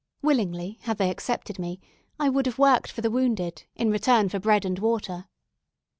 Willingly, had they accepted me, I would have worked for the wounded, in return for bread and water.